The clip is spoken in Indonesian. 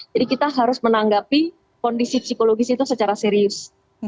jadi kita harus menanggapi kondisi psikologis itu secara serius